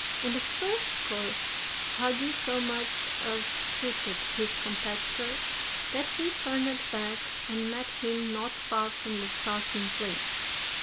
In the first course Hugi so much outstripped his competitor that he turned back and met him not far from the starting place.